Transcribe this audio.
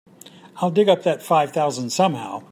I'll dig up that five thousand somehow.